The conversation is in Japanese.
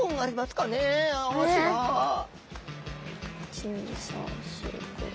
１２３４５。